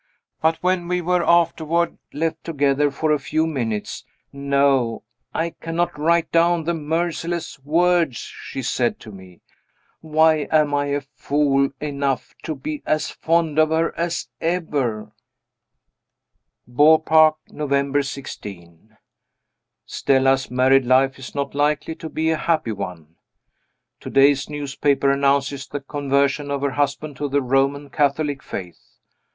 But when are were afterward left together for a few minutes no! I cannot write down the merciless words she said to me. Why am I fool enough to be as fond of her as ever? Beaupark, November 16. Stella's married life is not likely to be a happy one. To day's newspaper announces the conversion of her husband to the Roman Catholic Faith.